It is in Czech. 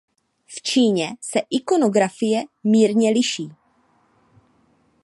V Číně se ikonografie mírně liší.